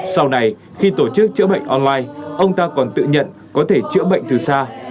sau này khi tổ chức chữa bệnh online ông ta còn tự nhận có thể chữa bệnh từ xa